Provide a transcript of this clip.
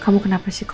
kamu kenapa sih